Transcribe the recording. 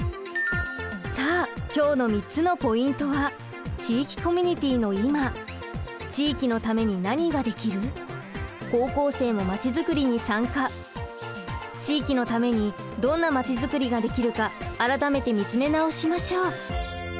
さあ今日の３つのポイントは地域のためにどんなまちづくりができるか改めて見つめ直しましょう。